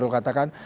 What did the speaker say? mas kherul katakan